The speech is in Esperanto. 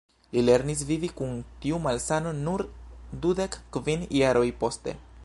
Li lernis vivi kun tiu malsano nur dudek kvin jaroj poste.